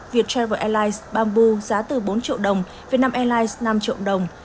việt travel airlines bamboo giá từ bốn triệu đồng vietnam airlines năm triệu đồng